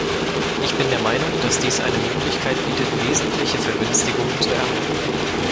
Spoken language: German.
Ich bin der Meinung, dass dies eine Möglichkeit bietet, wesentliche Vergünstigungen zu erhalten.